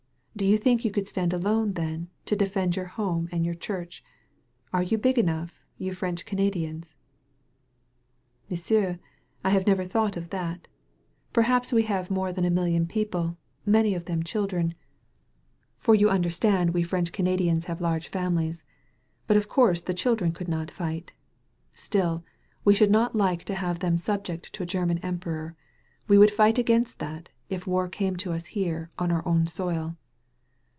Do you think you could stand alone then, to defend your home and your church? Are you big enough, you French Canadians ?" "M'sieu*, I have never thought of that. Per haps we have more than a million people — ^many of them children, for you understand we French 169 THE VALLEY OF VISION Canadians have large families— but of course the children could not fi^^t. Still, we should not like to have them subject to a German Emperor. We would fight agunst that, if the war came to us here on our own soil."